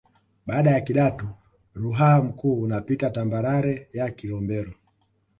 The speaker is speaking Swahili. Baada ya Kidatu Ruaha Mkuu unapita tambarare ya Kilombero